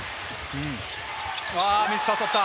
ミスを誘った。